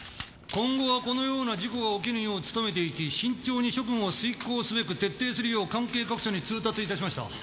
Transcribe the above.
「今後はこのような事故が起きぬよう努めていき慎重に職務を遂行すべく徹底するよう関係各署に通達いたしました」